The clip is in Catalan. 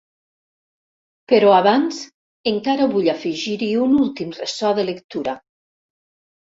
Però abans encara vull afegir-hi un últim ressò de lectura.